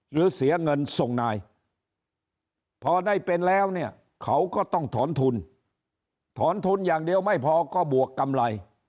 หรือเสียเงินส่งนายพอได้เป็นแล้วเนี่ยเขาก็ต้องถอนทุนถอนทุนอย่างเดียวไม่พอก็บวกกำไร